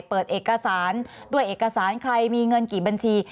เปิดเอกสารด้วยเอกสารใครมีเงินกี่บัญชี